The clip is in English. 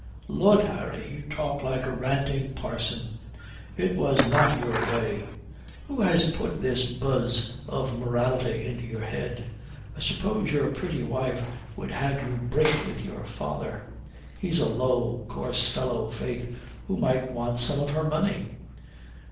"Lud, Harry, you talk like a ranting parson. It was not your way. Who has put this buzz of morality into your head? I suppose your pretty wife would have you break with your father. He's a low, coarse fellow, faith, who might want some of her money."